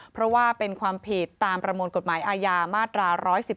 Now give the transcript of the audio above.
เพราะว่าเป็นความผิดตามประมวลกฎหมายอาญามาตรา๑๑๒